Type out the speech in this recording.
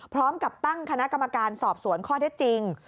พร้อมกับตั้งคณะกรรมการสอบสวนข้อเท็จจริง